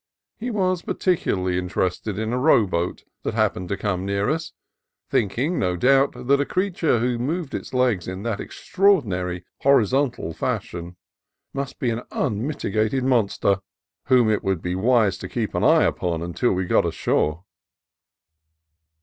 He was particularly interested in a row boat that happened to come near us, thinking, no doubt, that a creature who moved his legs in that extraordinary horizontal fashion must be an unmit igated monster, whom it would be wise to keep an eye upon until we got ashore.